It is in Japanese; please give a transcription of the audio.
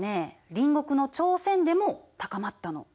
隣国の朝鮮でも高まったの。